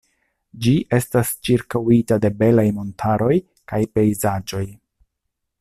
Ĝi estas ĉirkaŭita de belaj montaroj kaj pejzaĝoj.